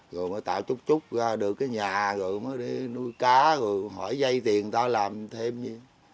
rồi mới tạo chút chút được cái nhà rồi mới đi nuôi cá rồi hỏi dây tiền người ta làm thêm vậy